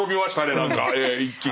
何か一気に。